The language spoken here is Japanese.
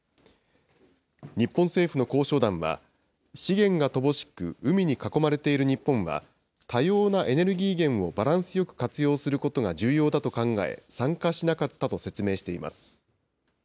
日本政府の交渉団は、資源が乏しく、海に囲まれている日本は、多様なエネルギー源をバランスよく活用することが重要だと考え、参加しなかったと説明しています。